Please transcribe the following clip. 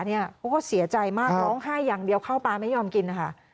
เขาก็เสียใจมากร้องไห้อย่างเดียวข้าวปลาไม่ยอมกินนะคะ